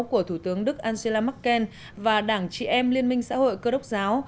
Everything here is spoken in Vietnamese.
của thủ tướng đức angela merkel và đảng chị em liên minh xã hội cơ đốc giáo